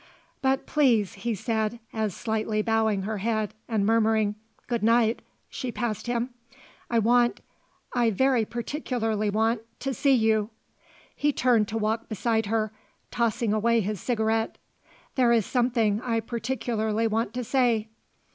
"But, please," he said, as, slightly bowing her head, and murmuring, "Good night," she passed him; "I want I very particularly want to see you." He turned to walk beside her, tossing away his cigarette. "There is something I particularly want to say."